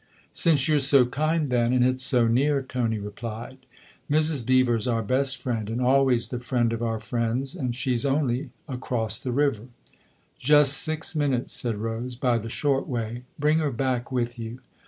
" Since you're so kind, then, and it's so near," Tony replied. " Mrs. Beever's our best friend, and always the friend of our friends, and she's only across the river." 76 THE OTHER HOUSE "Just six minutes," said Rose, " by the short way. Bring her back with you."